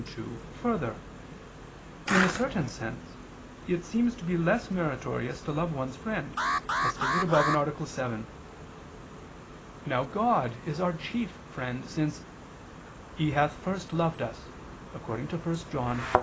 2: Further, in a certain sense it seems to be less meritorious to love one's friend, as stated above (A. 7). Now God is our chief friend, since "He hath first loved us" (1 John 4:10).